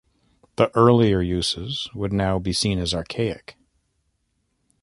The earlier uses would now be seen as archaic.